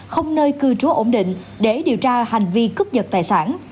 không nơi cư trú ổn định để điều tra về hành vi cướp giật tài sản